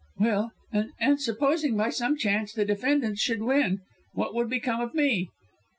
"Well, and supposing, by some chance, the defendants should win! What would become of me?"